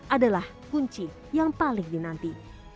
adalah kunci yang paling dinanti